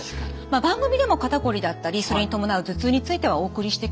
番組でも肩こりだったりそれに伴う頭痛についてはお送りしてきましたよね。